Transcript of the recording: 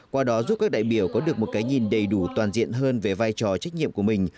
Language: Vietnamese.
qua đó giúp các đại biểu có được một cái nhìn đầy đủ toàn diện hơn về vai trò trách nhiệm của mình